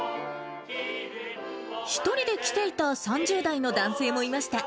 １人で来ていた３０代の男性もいました。